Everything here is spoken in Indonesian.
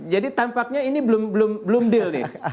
jadi tampaknya ini belum deal nih